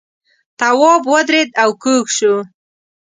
تواب ودرېد او کوږ شو.